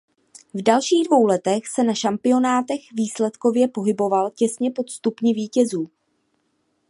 V dalších dvou letech se na šampionátech výsledkově pohyboval těsně pod stupni vítězů.